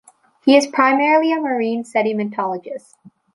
He is primarily a marine sedimentologist.